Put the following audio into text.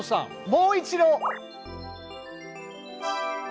もう一度！